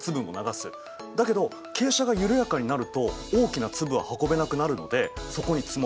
だけど傾斜が緩やかになると大きな粒は運べなくなるのでそこに積もる。